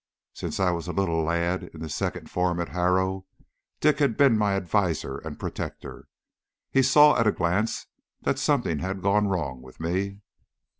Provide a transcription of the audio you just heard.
Since I was a little lad in the second form at Harrow, Dick had been my adviser and protector. He saw at a glance that something had gone wrong with me.